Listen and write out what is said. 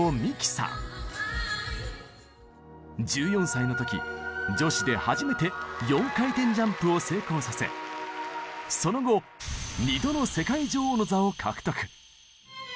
１４歳の時女子で初めて４回転ジャンプを成功させその後２度の世界女王の座を獲得！